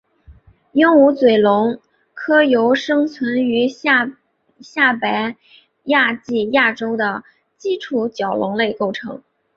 鹦鹉嘴龙科由生存于下白垩纪亚洲的基础角龙类构成。